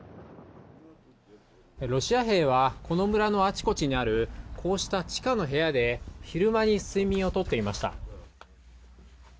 ロシア兵は、この村のあちこちにあるこうした地下の部屋で昼間に睡眠をとっていました。